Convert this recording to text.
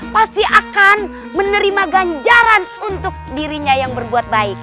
pasti akan menerima ganjaran untuk dirinya yang berbuat baik